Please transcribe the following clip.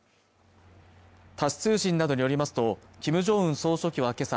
タス通信などによりますとキム・ジョンウン総書記はけさ